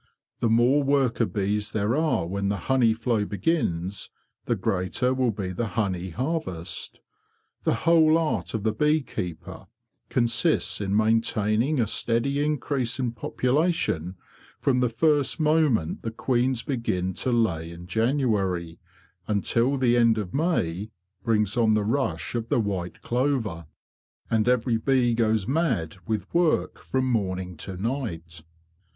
The more worker bees there are when the honey flow begins, the greater will be the honey harvest. The whole art of the bee keeper consists in main taining a steady increase in population from the first moment the queens begin to lay in January, until the end of May brings on the rush of the white clover, and every bee goes mad with work from morning to night.